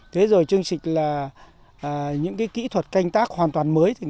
thế rồi chương trình là những kỹ thuật canh tác hoàn toàn mới